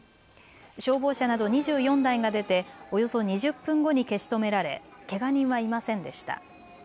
消防車など２４台が出ておよそ２０分後に消し止められけが人はいませんでした。